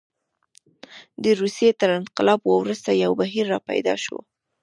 د روسیې تر انقلاب وروسته یو بهیر راپیدا شو.